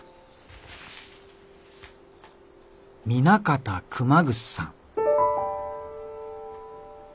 南方熊楠さん」。